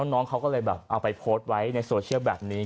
น้องเขาก็เลยแบบเอาไปโพสต์ไว้ในโซเชียลแบบนี้